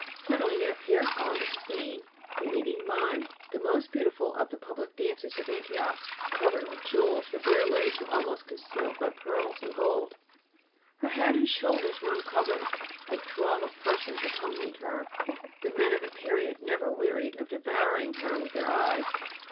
Suddenly there appeared on the scene the leading 'mime,' the most beautiful of the public dancers of Antioch, covered with jewels; her bare legs were almost concealed by pearls and gold; her head and shoulders were uncovered. A throng of persons accompanied her; the men of the period never wearied of devouring her with their eyes.